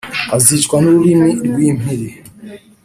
azicwa n’ururimi rw’impiri